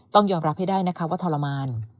ต้องยอมรับให้ได้นะคะว่าทรมาน